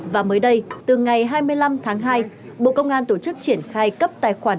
và mới đây từ ngày hai mươi năm tháng hai bộ công an tổ chức triển khai cấp tài khoản